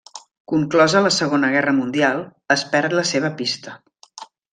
Conclosa la Segona Guerra Mundial, es perd la seva pista.